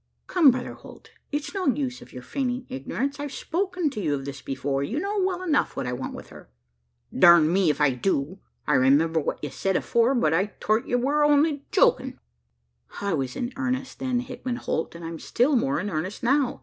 "Come, Brother Holt? it's no use your feigning ignorance. I've spoken to you of this before: you know well enough what I want with her." "Durn me, if I do! I remember what ye sayed afore; but I thort ye wur only jokin'." "I was in earnest then, Hickman Holt; and I'm still more in earnest now.